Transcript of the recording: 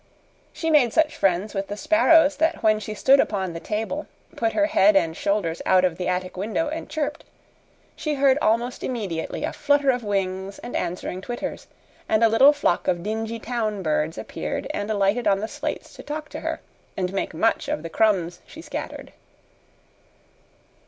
She made such friends with the sparrows that when she stood upon the table, put her head and shoulders out of the attic window, and chirped, she heard almost immediately a flutter of wings and answering twitters, and a little flock of dingy town birds appeared and alighted on the slates to talk to her and make much of the crumbs she scattered.